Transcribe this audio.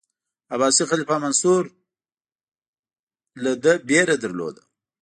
عباسي خلیفه منصور له ده ویره درلوده.